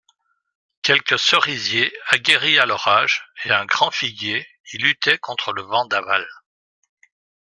Quelques cerisiers aguerris à l'orage et un grand figuier y luttaient contre le vent d'aval.